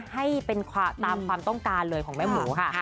ให้เป็นตามความต้องการเลยของแม่หมูค่ะ